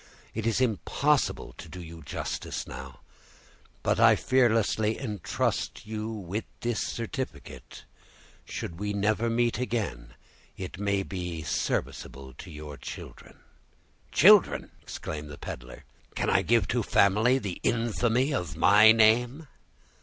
It is impossible to do you justice now, but I fearlessly intrust you with this certificate; should we never meet again, it may be serviceable to your children." "Children!" exclaimed the peddler, "can I give to a family the infamy of my name?"